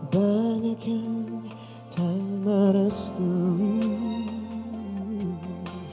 banyak yang tak meras dengan